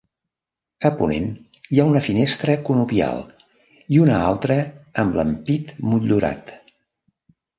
A ponent hi ha una finestra conopial i una altra amb l'ampit motllurat.